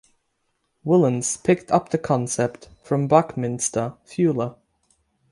Willens picked up the concept from Buckminster Fuller.